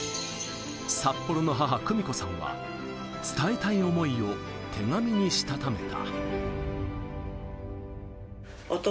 札幌の母・久美子さんは伝えたい思いを手紙にしたためた。